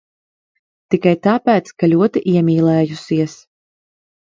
Tikai tāpēc, ka ļoti iemīlējusies.